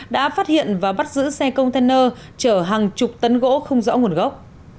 đã phát hiện và bắt giữ xe container chở hàng chục tấn gỗ không rõ nguồn gốc